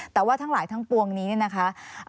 แต่ว่าทั้งหลายทั้งปวงนี้เนี่ยนะคะ